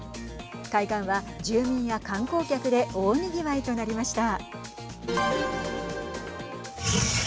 海岸は住民や観光客で大にぎわいとなりました。